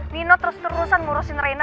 nino terus terusan ngurusin reina